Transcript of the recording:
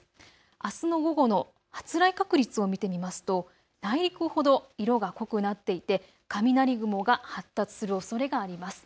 あすの午後の発雷確率を見てみますと内陸ほど色が濃くなっていて雷雲が発達するおそれがあります。